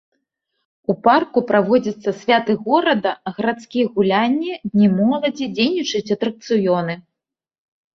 У парку праводзяцца святы горада, гарадскія гулянні, дні моладзі, дзейнічаюць атракцыёны.